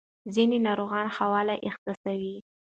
ځینې ناروغان ښه والی احساسوي.